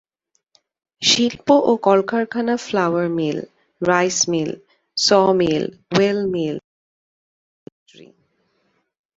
শিল্প ও কলকারখানা flour mill, rice mill, sawmill, oil mill, ice factory.